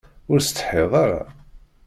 Ur tsetḥiḍ ara?